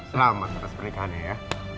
selamat berpikirannya ya